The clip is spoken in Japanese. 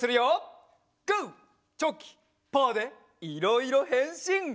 グーチョキパーでいろいろへんしん！